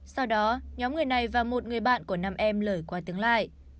sau đó nhóm người này và một người bạn của nam em lời qua tiếng lại